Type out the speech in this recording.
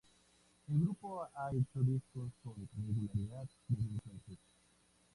El grupo ha hecho discos con regularidad, desde entonces.